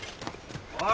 おい。